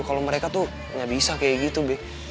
kalau mereka tuh gak bisa kayak gitu deh